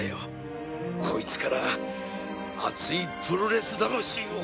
こいつから熱いプロレス魂を。